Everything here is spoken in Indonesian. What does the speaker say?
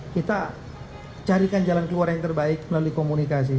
kita carikan jalan keluar yang terbaik melalui komunikasi